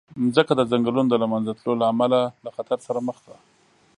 مځکه د ځنګلونو د له منځه تلو له امله له خطر سره مخ ده.